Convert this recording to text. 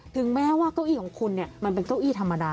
ถึงแม้ว่าเก้าอี้ของคุณเนี่ยมันเป็นเก้าอี้ธรรมดา